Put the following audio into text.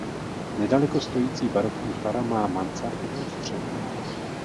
Nedaleko stojící barokní fara má mansardovou střechu.